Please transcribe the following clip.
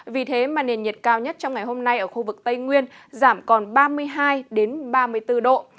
vì thế mà nền nhiệt cao nhất trong ngày hôm nay ở khu vực tây nguyên giảm còn ba mươi hai ba mươi bốn độ